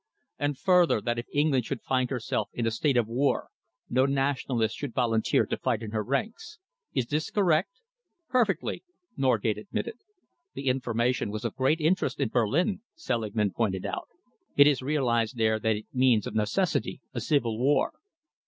And further, that if England should find herself in a state of war, no Nationalists should volunteer to fight in her ranks. Is this correct?" "Perfectly," Norgate admitted. "The information was of great interest in Berlin," Selingman pointed out. "It is realised there that it means of necessity a civil war."